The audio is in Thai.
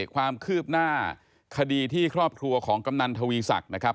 ความคืบหน้าคดีที่ครอบครัวของกำนันทวีศักดิ์นะครับ